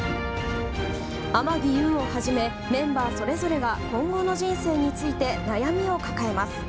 天樹悠をはじめメンバーそれぞれが今後の人生について悩みを抱えます。